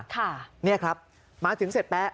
ค่ะเนี่ยครับมาถึงเสร็จแป๊ะ